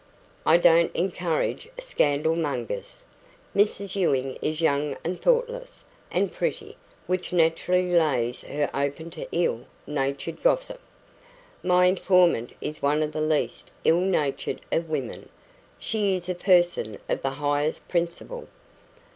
"I don't encourage scandalmongers. Mrs Ewing is young and thoughtless and pretty which naturally lays her open to ill natured gossip." "My informant is one of the least ill natured of women; she is a person of the highest principle."